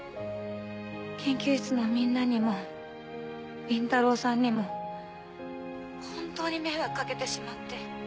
研究室のみんなにも倫太郎さんにも本当に迷惑掛けてしまって。